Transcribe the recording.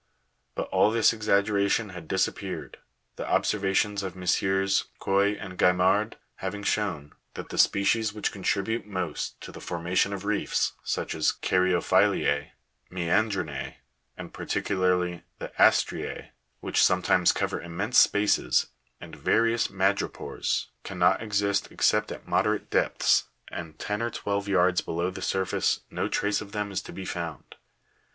But all this exaggeration has disappeared, the observations of MM. Q,uoi and Gaimard having shown, that the species which contribute most to the formation of reefs,^uch as caryophy'llisc (Jig. 220), mean dri'nse (Jig. 221), and particularly the as'lrcsc (fig. 222), which sometimes cover immense spaces, and various madrepores (Jig 223), cannot exist except at moderate depths, and ten or twelve yards below the surface no trace of them is to be found.